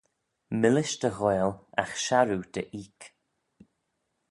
Millish dy ghoaill, agh sharroo dy eeck